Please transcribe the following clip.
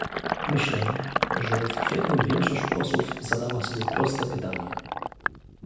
Myślę, że w kwietniu większość posłów zadała sobie proste pytanie